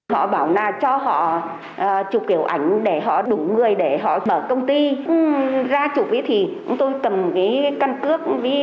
họ bảo là cho họ chụp kiểu ảnh để họ đủ người để họ mở công ty ra chụp thì chúng tôi cầm cái căn cước